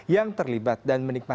yang terlibat dalam keterlibatan